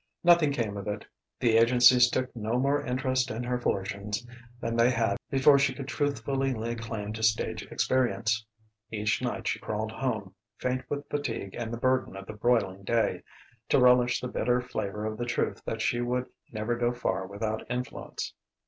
Nothing came of it: the agencies took no more interest in her fortunes than they had before she could truthfully lay claim to stage experience. Each night she crawled home, faint with fatigue and the burden of the broiling day, to relish the bitter flavour of the truth that she would never go far without influence.